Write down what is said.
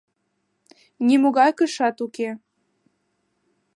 Нимогай кышат уке.